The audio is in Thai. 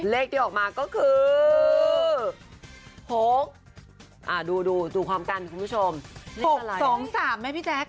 เลขที่ออกมาก็คือ๖ดูดูพร้อมกันคุณผู้ชม๖๒๓ไหมพี่แจ๊ค